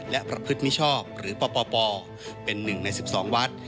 และประพฤติมิชอบหรือปปเป็น๑ใน๑๒วัด